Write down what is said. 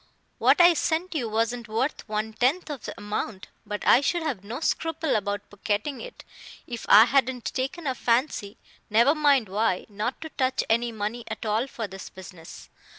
"What I sent you wasn't worth one tenth of the amount; but I should have no scruple about pocketing it, if I hadn't taken a fancy never mind why not to touch any money at all for this business.